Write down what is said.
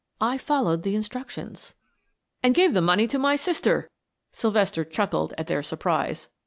I followed the instructions." "And gave the money to my sister," Sylvester chuckled at their surprise.